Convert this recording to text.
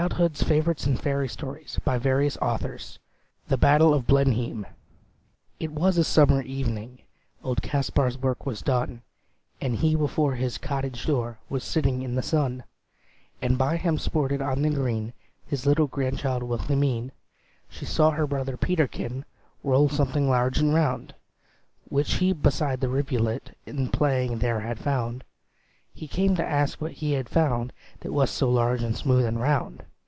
to tell them I'm drinking!" HANNAH FLAGG GOULD THE BATTLE OF BLENHEIM It was a summer evening, Old Kaspar's work was done, And he before his cottage door Was sitting in the sun, And by him sported on the green His little grandchild Wilhelmine. She saw her brother Peterkin Roll something large and round, Which he beside the rivulet In playing there had found; He came to ask what he had found, That was so large and smooth and round.